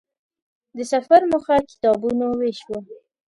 د سفر موخه کتابونو وېش و.